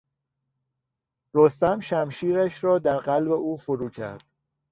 رستم شمشیرش را در قلب او فرو کرد.